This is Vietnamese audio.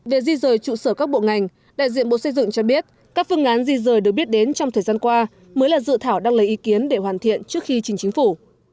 về di rời trụ sở các bộ ngành đại diện bộ xây dựng cho biết các phương án di rời được biết đến trong thời gian qua mới là dự thảo đăng lấy ý kiến để hoàn thiện trước khi chính chính phủ